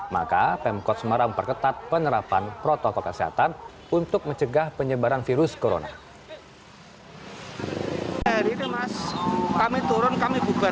maka pemkot semarang memperketat penerapan protokol kesehatan untuk mencegah penyebaran virus corona